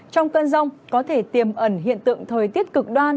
trong cơn rông có thể tiềm ẩn hiện tượng thời tiết cực đoan